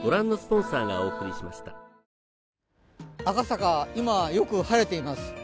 赤坂、今、よく晴れています。